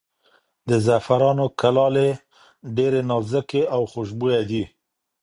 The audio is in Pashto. د زعفرانو کلالې ډېرې نازکې او خوشبویه دي.